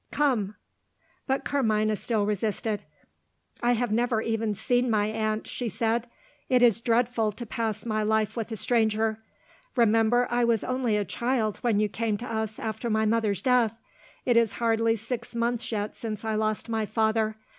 Come!" But Carmina still resisted. "I have never even seen my aunt," she said. "It is dreadful to pass my life with a stranger. Remember, I was only a child when you came to us after my mother's death. It is hardly six months yet since I lost my father.